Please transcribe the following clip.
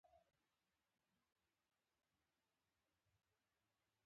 لیک د انسان د یاد ځای ونیو.